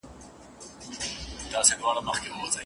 چي جوړ کړی چا خپلوانو ته زندان وي